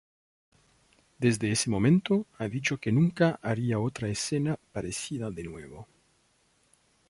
Desde ese momento ha dicho que nunca haría otra escena parecida de nuevo.